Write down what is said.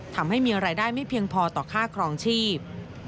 ทำให้มีรายได้ไม่เพียงพอต่อค่าครองชีพ